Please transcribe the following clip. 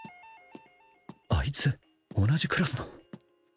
あいつ同じクラスの